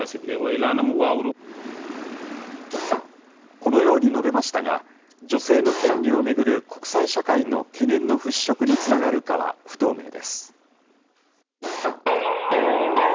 このように述べましたが、女性の権利を巡る国際社会の懸念の払拭につながるかは不透明です。